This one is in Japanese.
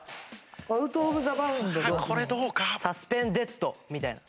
サスペンデッドみたいな。